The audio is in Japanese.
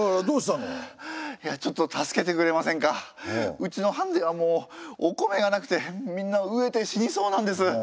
うちの藩ではもうお米がなくてみんなうえて死にそうなんです。